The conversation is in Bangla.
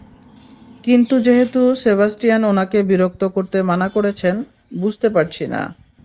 কিন্তু যেহেতু সেবাস্টিয়ান ওনাকে বিরক্ত করতে মানা করেছেন, বুঝতে পারছি না।